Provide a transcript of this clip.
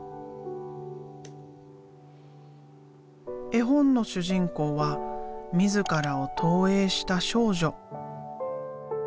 絵本の主人公は自らを投影した少女。